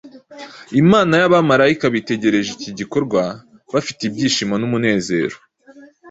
Imana n’abamarayika bitegereje iki gikorwa bafite ibyishimo n’umunezero.